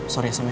sorry ya sampe